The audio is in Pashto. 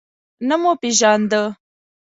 نه مو پیژانده.